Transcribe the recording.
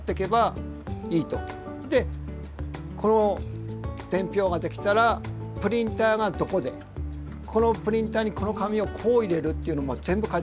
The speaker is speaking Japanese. でこの伝票ができたらプリンターがどこでこのプリンターにこの紙をこう入れるっていうのも全部書いてあります。